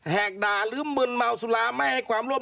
แหกด่าลืมบื่นเมาสุราไม่ให้ความรวด